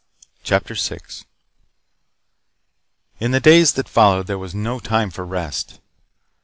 CHAPTER 6 In the days that followed there was no time for rest.